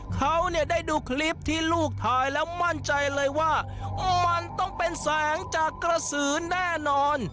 เขาเนี่ยได้ดูคลิปที่ลูกถ่ายแล้วมั่นใจเลยว่ามันต้องเป็นแสงจากกระสือแน่นอน